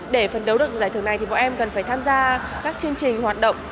để phấn đấu được giải thưởng này thì bọn em cần phải tham gia các chương trình hoạt động